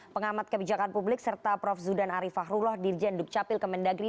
pengamat kebijakan publik serta prof zudan arifahrullah dirjen dukcapil kemendagri